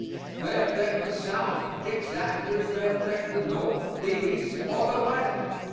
They affect the South exactly as they affect the North, the East or the West.